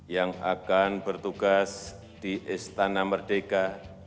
yang akan bertugas di istana merdeka